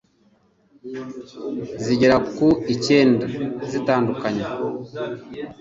zigera ku icyenda zitandukanye